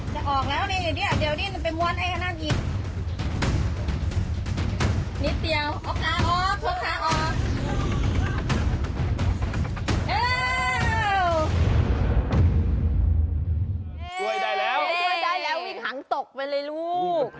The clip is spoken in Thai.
เจ๊วนี่ช่วยได้แล้วหังตกไปนะลูกอันนี้ยิงฮังได้แล้ว